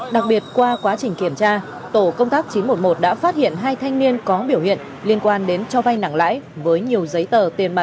đặc biệt qua quá trình kiểm tra tổ công tác chín trăm một mươi một đã phát hiện hai thanh niên có biểu hiện liên quan đến cho vay nặng lãi với nhiều giấy tờ tiền giả